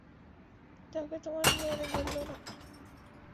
তাকে তোমার তখন মনে ধরল না!